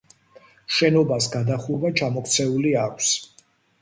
შენობას გადახურვა ჩამოქცეული აქვს.